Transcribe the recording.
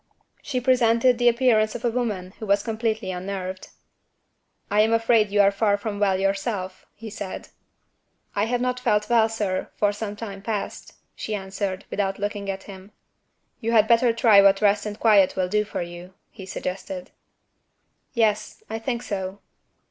She presented the appearance of a woman who was completely unnerved. "I am afraid you are far from well yourself," he said. "I have not felt well, sir, for some time past," she answered, without looking at him. "You had better try what rest and quiet will do for you," he suggested. "Yes, I think so."